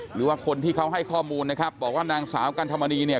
หรือว่าคนที่เขาให้ข้อมูลนะครับบอกว่านางสาวกันธรรมนีเนี่ย